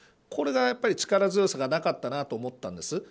これが、力強さがなかったなと思ったんです。